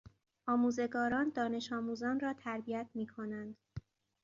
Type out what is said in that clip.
آموزگاران دانش آموزان را تربیت می کنند.